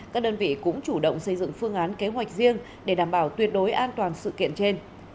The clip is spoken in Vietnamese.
các đơn vị cũng chủ động xây dựng phương án kế hoạch riêng để đảm bảo tuyệt đối an toàn sự kiện trên